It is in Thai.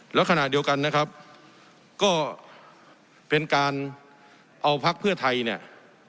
แล้วขณะเดียวกันนะครับก็เป็นการเอาพักเพื่อไทยเนี่ย